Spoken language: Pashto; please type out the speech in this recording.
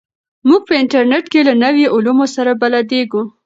موږ په انټرنیټ کې له نویو علومو سره بلدېږو.